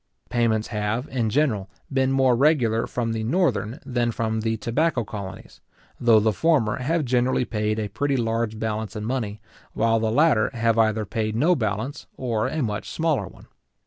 Payments have, in general, been more regular from the northern than from the tobacco colonies, though the former have generally paid a pretty large balance in money, while the latter have either paid no balance, or a much smaller one.